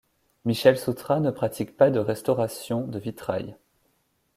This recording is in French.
Michel Soutra ne pratique pas de restauration de vitrail.